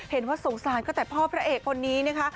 เห็นว่าสงสารก็แต่พ่อพระเอกคนนี้นะคะ